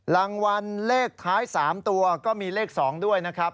รางวัลเลขท้าย๓ตัวก็มีเลข๒ด้วยนะครับ